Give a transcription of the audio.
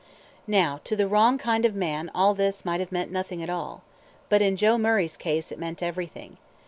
Now, to the wrong kind of man all this might have meant nothing at all. But in Joe Murray's case it meant everything.